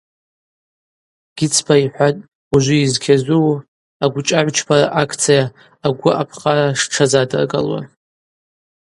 Гьыцба йхӏватӏ ужвы йызкьазуу агвчӏагӏвчпара акция Агвы апхара штшазадыргалуа.